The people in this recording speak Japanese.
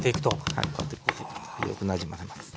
はいこうやって。よくなじませます。